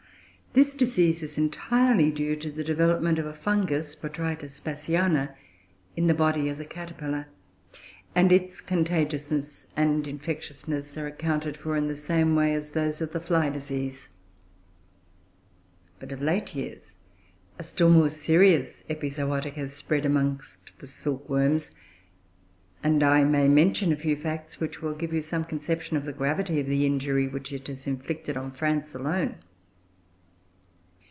This disease is entirely due to the development of a fungus, Botrytis Bassiana, in the body of the caterpillar; and its contagiousness and infectiousness are accounted for in the same way as those of the fly disease. But, of late years, a still more serious epizootic has appeared among the silkworms; and I may mention a few facts which will give you some conception of the gravity of the injury which it has inflicted on France alone.